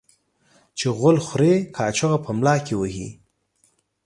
چي غول خوري ، کاچوغه په ملا کې وهي.